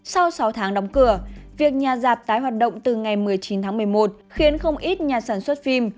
sau sáu tháng đóng cửa việc nhà dạp tái hoạt động từ ngày một mươi chín tháng một mươi một khiến không ít nhà sản xuất phim